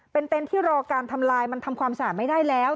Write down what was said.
เป็นเต็นต์ที่รอการทำลายมันทำความสะอาดไม่ได้แล้ว